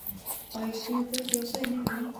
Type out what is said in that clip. آیا دوی باید یوځای نه وي؟